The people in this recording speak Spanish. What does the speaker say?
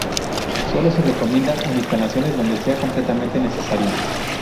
Solo se recomienda en instalaciones donde sea completamente necesario.